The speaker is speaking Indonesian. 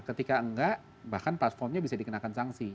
ketika enggak bahkan platformnya bisa dikenakan sanksi